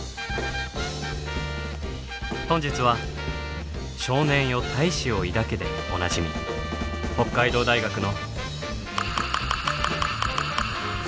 本日は「少年よ大志を抱け」でおなじみ北海道大学の。